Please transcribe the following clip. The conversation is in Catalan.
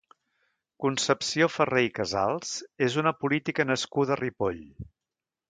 Concepció Ferrer i Casals és una política nascuda a Ripoll.